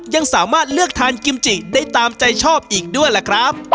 ยังสามารถเลือกทานกิมจิได้ตามใจชอบอีกด้วยล่ะครับ